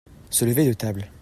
se lever de table.